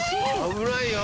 危ないよ！